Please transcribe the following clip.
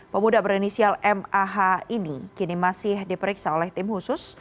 pemuda berinisial mah ini kini masih diperiksa oleh tim khusus